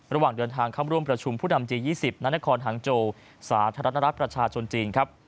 ระหว่างเดินทางค้ำร่วมประชุมผู้ดำจีน๒๐นฮังโจสาธารณรัฐประชาชนจีน